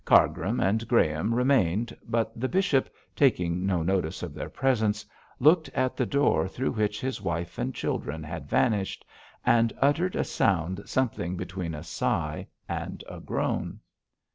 Cargrim and Graham remained, but the bishop, taking no notice of their presence, looked at the door through which his wife and children had vanished, and uttered a sound something between a sigh and a groan.